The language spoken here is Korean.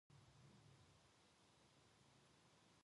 난장보살은 싱앗대의 농립을 툭 쳐서 벗겨 놓았다.